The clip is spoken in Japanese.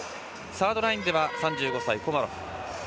サードラインでは３５歳のコマロフ。